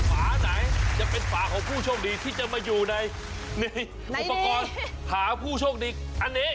ฝาไหนจะเป็นฝาของผู้โชคดีที่จะมาอยู่ในอุปกรณ์หาผู้โชคดีอันนี้